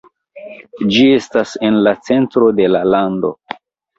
Ĝi estas en la centro de la lando.